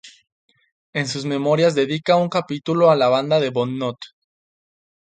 En sus memorias dedica un capítulo a la Banda de Bonnot.